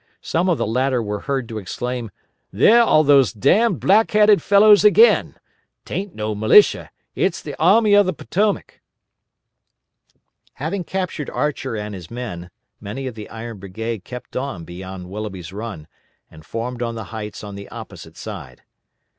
Some of the latter were heard to exclaim: "There are those d d black hatted fellows again! 'Taint no militia. It's the Army of the Potomac." Having captured Archer and his men, many of the Iron Brigade kept on beyond Willoughby's Run, and formed on the heights on the opposite side.